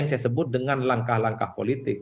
yang saya sebut dengan langkah langkah politik